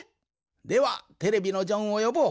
ではテレビのジョンをよぼう。